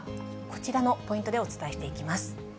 こちらのポイントでお伝えしていきます。